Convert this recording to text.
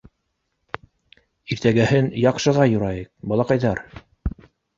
Иртәгәһен яҡшыға юрайыҡ, балаҡайҙар.